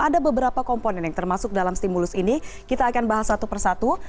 ada beberapa komponen yang termasuk dalam stimulus ini kita akan bahas satu persatu